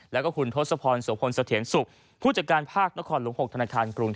แล้วก็คุณทศพรโสพลสะเทียนสุขผู้จัดการภาคนครหลวง๖ธนาคารกรุง